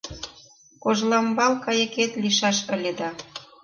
Кожламбал кайыкет лийшаш ыле да.